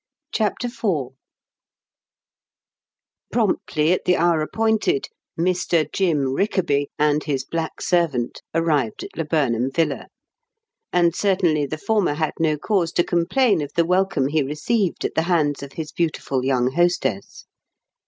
CHAPTER IV Promptly, at the hour appointed, "Mr. Jim Rickaby" and his black servant arrived at Laburnam Villa; and certainly the former had no cause to complain of the welcome he received at the hands of his beautiful young hostess.